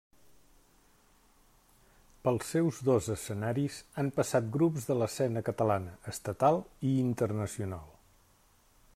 Pels seus dos escenaris han passat grups de l'escena catalana, estatal i internacional.